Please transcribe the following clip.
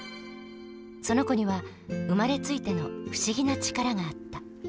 その子には生まれついての不思議な力があった。